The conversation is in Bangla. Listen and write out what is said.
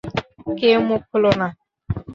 কেউ মুখ খুলো না!